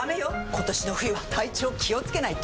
今年の冬は体調気をつけないと！